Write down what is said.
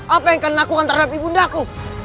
apa yang kalian lakukan terhadap ibundaku